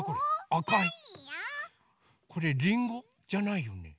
これりんご？じゃないよね。